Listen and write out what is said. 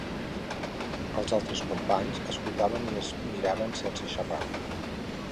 Els altres companys escoltaven i es miraven sense xarrar.